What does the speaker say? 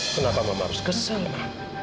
kenapa mama harus kesel ma